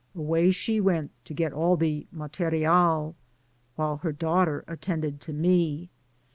Away she went to get all the materiel, while her daughter attended to me.